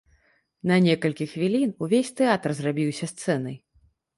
На некалькі хвілін увесь тэатр зрабіўся сцэнай.